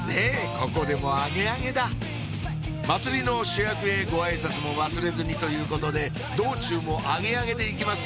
ここでもアゲアゲだ祭りの主役へご挨拶も忘れずにということで道中もアゲアゲで行きます